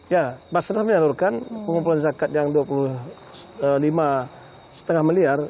ya masyarakat menyalurkan pengumpulan zakat yang dua puluh lima lima miliar